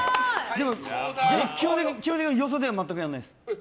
基本的にはよそでは全くやらないです。